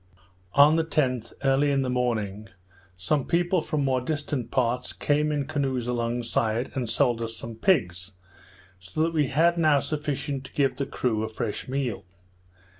On the 10th, early in the morning, some people from more distant parts came in canoes alongside, and sold us some pigs; so that we had now sufficient to give the crew a fresh meal.